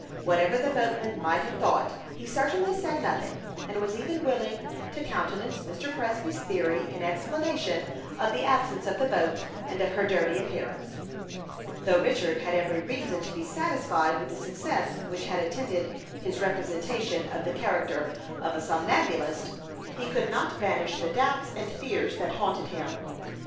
Whatever the boatman might have thought, he certainly said nothing, and was even willing to countenance Mr. Presby's theory in explanation of the absence of the boat, and of her dirty appearance. Though Richard had every reason to be satisfied with the success which had attended his representation of the character of a somnambulist, he could not banish the doubts and fears that haunted him.